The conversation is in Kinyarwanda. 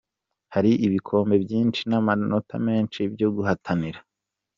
Hari ibikombe byinshi n'amanota menshi byo guhatanira".